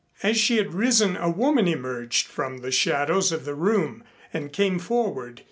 As she had risen a woman emerged from the shadows of the room and came forward.